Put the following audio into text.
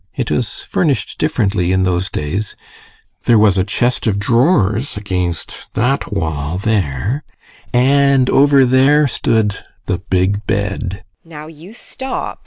It was furnished differently in those days. There was a chest of drawers against that wall there and over there stood the big bed.